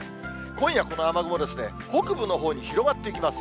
今夜この雨雲、北部のほうに広がっていきます。